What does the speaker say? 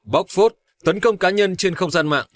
bóc phốt tấn công cá nhân trên không gian mạng